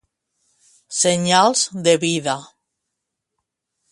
Senyals de vida.